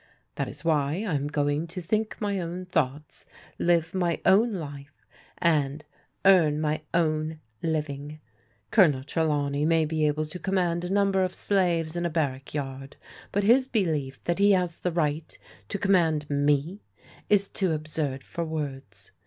^ That is why I am going to think my own thoughts, liv^ my own life, and earn my own living. Colonel Trelawney may be able to command a nimiber of slaves in a barrack yard, but his belief that he has the right to command tne, is too absurd for words.